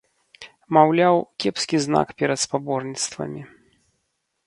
Маўляў, кепскі знак перад спаборніцтвамі.